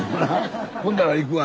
「ほんだわ行くわ」